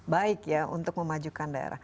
baik ya untuk memajukan daerah